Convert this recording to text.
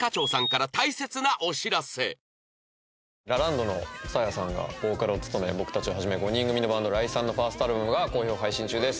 ラランドのサーヤさんがボーカルを務め僕たちをはじめ５人組のバンド礼賛のファーストアルバムが好評配信中です。